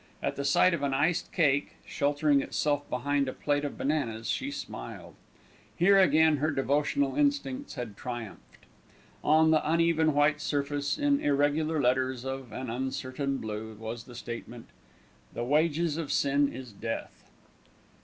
At the sight of an iced cake, sheltering itself behind a plate of bananas, she smiled. Here again her devotional instincts had triumphed. On the uneven white surface, in irregular letters of an uncertain blue, was the statement, "The Wages of Sin is Death."